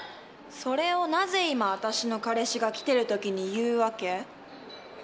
それをなぜ今私の彼氏が来てる時に言うわけ？